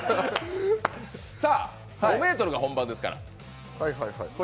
さあ、５ｍが本番ですから。